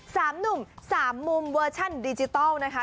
สามหนุ่มสามมุมเวอร์ชันดิจิทัลนะคะ